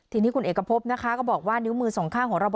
ทีนี้คุณเอกพบนะคะก็บอกว่านิ้วมือสองข้างของระบบ